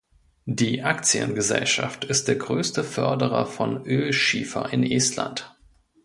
Die Aktiengesellschaft ist der größte Förderer von Ölschiefer in Estland.